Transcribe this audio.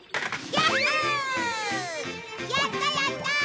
やったやった！